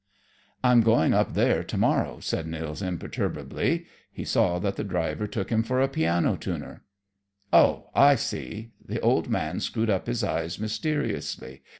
"I'm going up there to morrow," said Nils imperturbably. He saw that the driver took him for a piano tuner. "Oh, I see!" The old man screwed up his eyes mysteriously.